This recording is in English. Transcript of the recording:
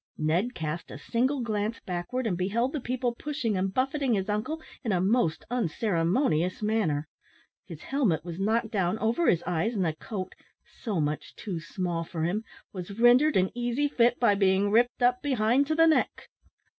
Ned cast a single glance backward, and beheld the people pushing and buffeting his uncle in a most unceremonious manner. His helmet was knocked down over his eyes, and the coat so much too small for him was rendered an easy fit by being ripped up behind to the neck.